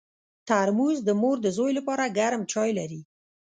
ترموز د مور د زوی لپاره ګرم چای لري.